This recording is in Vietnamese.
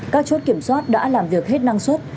các chốt kiểm soát đã làm việc hết năng suất